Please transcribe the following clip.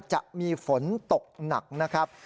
จะมีฝนตกหนักนะครับ